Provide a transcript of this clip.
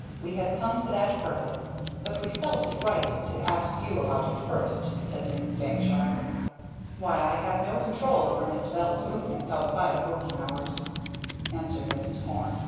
We have come for that purpose. But we felt it right to ask you about it first," said Mrs. Dankshire. "Why I have no control over Miss Bell's movements, outside of working hours," answered Mrs. Porne.